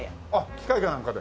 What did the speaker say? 機械かなんかで？